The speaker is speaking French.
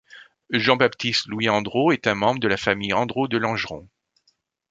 Jean-Baptiste Louis Andrault est un membre de la famille Andrault de Langeron.